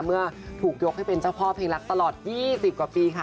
เมื่อถูกยกให้เป็นเจ้าพ่อเพลงรักตลอด๒๐กว่าปีค่ะ